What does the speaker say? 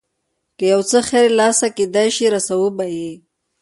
که یو څه خیر له لاسه کېدای شي رسوو به یې.